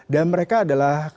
dan mereka adalah